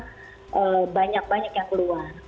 karena banyak banyak yang keluar